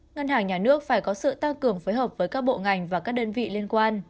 ngân hàng nhà nước phải có sự tăng cường phối hợp với các bộ ngành và các đơn vị liên quan